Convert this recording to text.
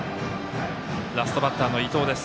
ラストバッターの伊藤です。